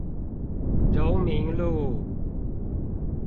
榮民路